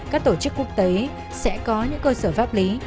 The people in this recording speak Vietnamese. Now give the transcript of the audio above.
các tổ chức quốc tế sẽ có những cơ sở pháp lý